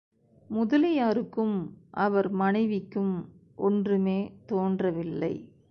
முதலியாருக்கும், அவர் மனைவிக்கும் ஒன்றுமே தோன்றவில்லை.